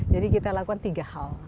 jadi kita lakukan tiga hal